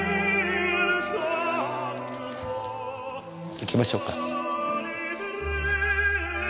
行きましょうか。